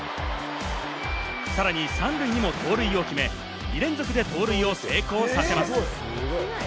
さらに３塁にも盗塁を決め、２連続で盗塁を成功させます。